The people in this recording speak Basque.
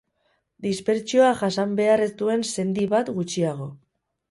Dispertsioa jasan behar ez duen sendi bat gutxiago.